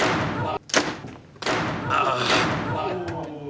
ああ。